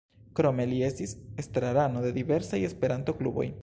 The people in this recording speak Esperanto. Krome li estis estrarano de diversaj Esperanto-kluboj.